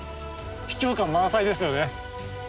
秘境感満載ですよね。